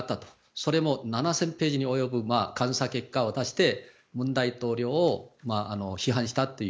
それも７０００ページに及ぶ監査結果を出して文大統領を批判したという。